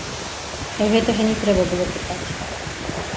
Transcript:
Гэтага не трэба было пытаць.